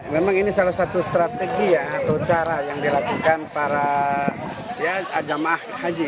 memang ini salah satu strategi ya atau cara yang dilakukan para jamaah haji